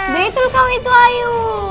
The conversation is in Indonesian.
betul kamu itu ayu